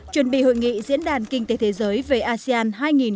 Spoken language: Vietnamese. chuẩn bị hội nghị diễn đàn kinh tế thế giới về asean hai nghìn một mươi tám